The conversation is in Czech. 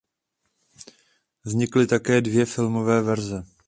Vznikly také dvě filmové verze.